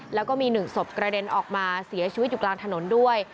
แล้วก็มี๑ศพกระเด็นออกมาเสียชีวิตอยู่กลางถนนด้วย